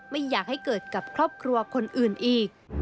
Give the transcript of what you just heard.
ไม่อยากให้เกิดกับครอบครัวคนอื่นอีก